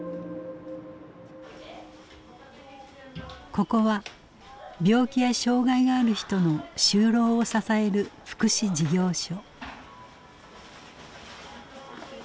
ここは病気や障害がある人の就労を支える福祉事業所。